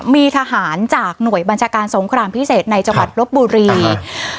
มีทหารจากหน่วยบัญชาการสงครามพิเศษในจังหวัดลบบุรี